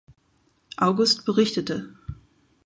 August berichtete.